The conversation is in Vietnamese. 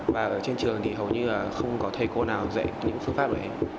và ở trên trường thì hầu như là không có thầy cô nào dạy những phương pháp của em